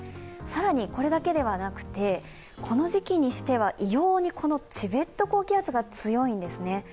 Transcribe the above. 更にこれだけではなくてこの時期にしては異様にこのチベット高気圧が強いんですね。